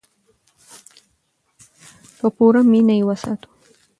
په پوره مینه یې وساتو.